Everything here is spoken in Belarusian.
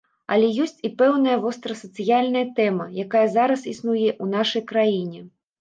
Але ёсць і пэўная вострасацыяльная тэма, якая зараз існуе ў нашай краіне.